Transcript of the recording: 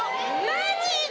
マジで！